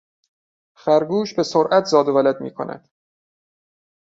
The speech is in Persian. خرگوش به سرعت زاد و ولد میکند.